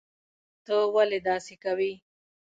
ته ولي داسي کوي